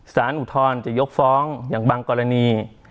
อุทธรณ์จะยกฟ้องอย่างบางกรณี